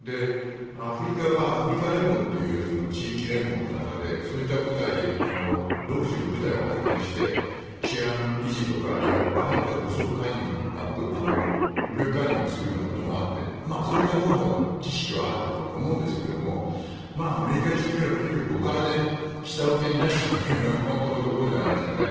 アフリカはアフリカ連合という地域連合の中でそういった部隊独自の部隊を派遣して治安維持とかあるいは場合によっては武力介入するようなこともあってそういったノウハウ、知識はあると思うんですがアメリカにしてみればとにかく、お金で下請けに出したというのが本当のところじゃないですかね。